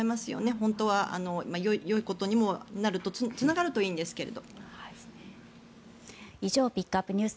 本当はよいことにもなるとつながるといいんですけど。